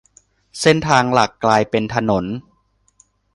เส้นทางหลักกลายเป็นถนน